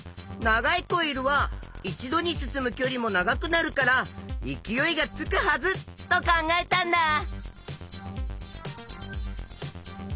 長いコイルは一度に進むきょりも長くなるから勢いがつくはずと考えたんだ！